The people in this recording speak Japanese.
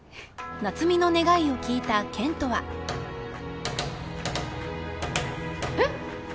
［夏海の願いを聞いた健人は］えっ！？